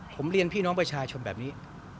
ผมเรียนพี่น้องประชาชนแบบนี้